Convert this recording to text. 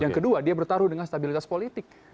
yang kedua dia bertarung dengan stabilitas politik